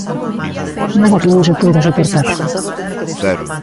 Nada que non se poida soportar!